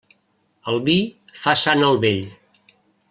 El vi fa sant el vell.